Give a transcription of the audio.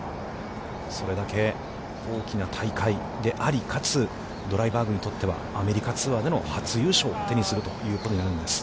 それだけ大きな大会であり、かつ、ドライバーグにとっては、アメリカツアーでの初優勝を手にするということになるんです。